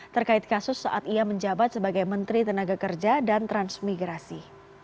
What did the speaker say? terkait kasus saat ia menjabat sebagai menteri tenaga kerja dan transmigrasi